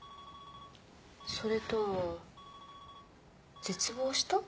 それとも絶望した？